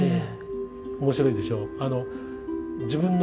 面白いでしょう？